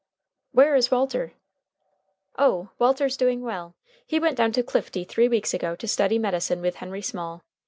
"Where is Walter?" "Oh! Walter's doing well. He went down to Clifty three weeks ago to study medicine with Henry Small.